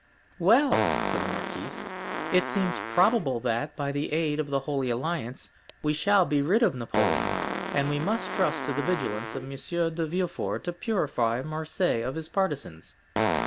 "Well," said the marquise, "it seems probable that, by the aid of the Holy Alliance, we shall be rid of Napoleon; and we must trust to the vigilance of M. de Villefort to purify Marseilles of his partisans.